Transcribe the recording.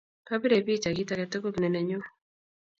Apire bicha kit ake tugul ne nennyu.